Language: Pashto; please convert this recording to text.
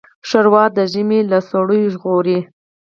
ښوروا د ژمي له سړو ژغوري.